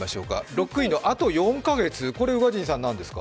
６位のあと４か月、これ宇賀神さん、何ですか？